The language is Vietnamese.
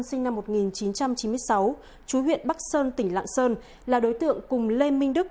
sinh năm một nghìn chín trăm chín mươi sáu chú huyện bắc sơn tỉnh lạng sơn là đối tượng cùng lê minh đức